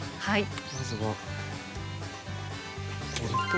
はい。